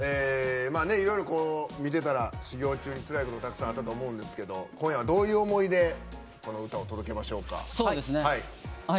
いろいろ見てたら修行中につらいことあったと思うんですけど今夜はどういう思いでこの歌を届けましょうか。